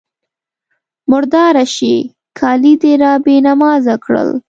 _مرداره شې! کالي دې را بې نمازه کړل.